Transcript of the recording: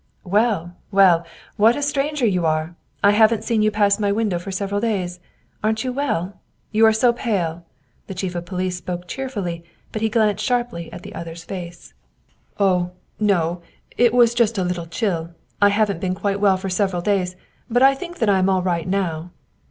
" Well, well, what a stranger you are ! I haven't seen you pass my window for several days. Aren't you well? You are so pale/' The chief spoke cheerfully, but he glanced sharply at the other's face. " Oh, no, it was just a little chill I haven't been quite well for several days, but I think that I am all right now."